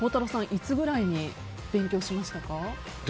いつくらいに勉強しましたか？